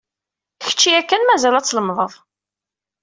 Kečč yakan mazal ad tlemmdeḍ.